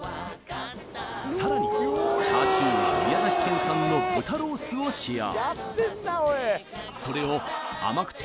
さらにチャーシューは宮崎県産の豚ロースを使用